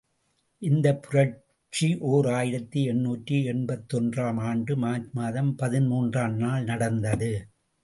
இந்தப் புரட்சி ஓர் ஆயிரத்து எண்ணூற்று எண்பத்தொன்று ஆம் ஆண்டு மார்ச் மாதம் பதிமூன்று ம் நாள் நடந்தது.